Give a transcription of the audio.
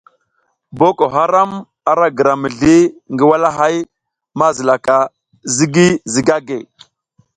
Boko haram ara gira mizli ngi walahay mazilaka ZIGI ZIGAGUE.